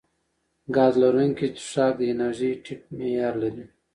ګاز لرونکي څښاک د انرژۍ ټیټ معیار لري.